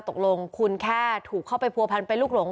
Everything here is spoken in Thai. ตกลงคุณแค่ถูกเข้าไปผัวพันเป็นลูกหลง